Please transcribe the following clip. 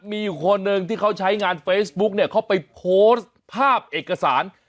มีอยู่คนหนึ่งที่เขาใช้งานเฟซบุ๊กเนี่ยเขาไปโพสต์ภาพเอกสาร